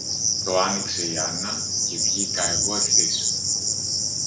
Το άνοιξε η Άννα και βγήκα εγώ ευθύς